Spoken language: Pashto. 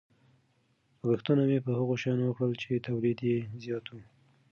لګښتونه مې په هغو شیانو وکړل چې تولید یې زیاتاوه.